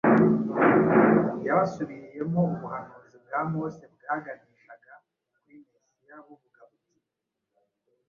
Yabasubiriyemo ubuhanuzi bwa Mose bwaganishaga kuri Mesiya buvuga buti: